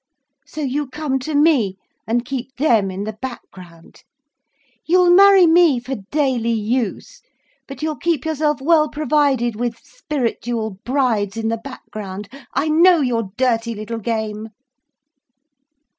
So you come to me, and keep them in the background! You will marry me for daily use. But you'll keep yourself well provided with spiritual brides in the background. I know your dirty little game."